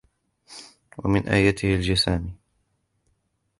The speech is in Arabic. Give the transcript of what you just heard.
وَمِنْ آيَاتِهِ الْجِسَامِ